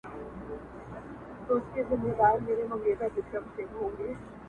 امیر ورکړه یو غوټه د لوټونو٫